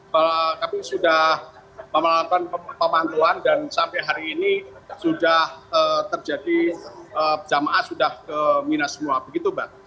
tapi sudah melakukan pemantuan dan sampai hari ini sudah terjadi jamaah sudah ke mina semua begitu mbak